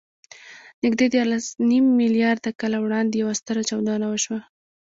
نږدې دیارلسنیم میلیارده کاله وړاندې یوه ستره چاودنه وشوه.